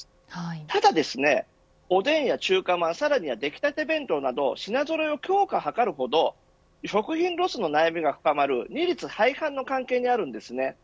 ただ、おでんや中華まんさらにはできたて弁当など品ぞろえの強化を図るほど食品ロスの悩みが深まる二律背反の関係にあるんです。